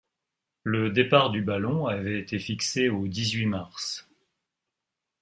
Le départ du ballon avait été fixé au dix-huit mars